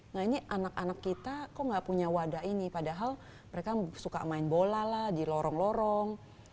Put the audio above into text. nah ini anak anak kita kok nggak punya wadah ini padahal mereka suka main bola lah di lorong lorong